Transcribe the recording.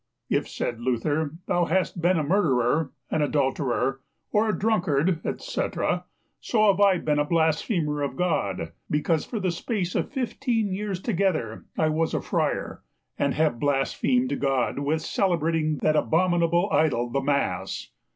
If, said Luther, thou hast been a murderer, an adulterer, or a drunkard, etc., so have I been a blasphemer of God, because for the space of fifteen years together I was a Friar, and have blasphemed God with celebrating that abominable idol the Mass.